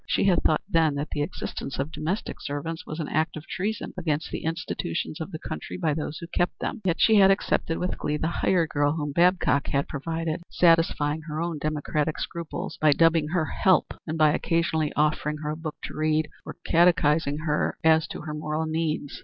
She had thought then that the existence of domestic servants was an act of treason against the institutions of the country by those who kept them. Yet she had accepted, with glee, the hired girl whom Babcock had provided, satisfying her own democratic scruples by dubbing her "help," and by occasionally offering her a book to read or catechising her as to her moral needs.